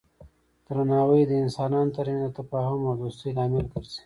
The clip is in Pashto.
درناوی د انسانانو ترمنځ د تفاهم او دوستی لامل ګرځي.